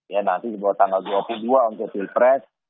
ya nanti dibawa tanggal dua puluh dua untuk pilpres